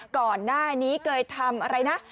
ก่อนหน้านี้เคยทำอะไรนะ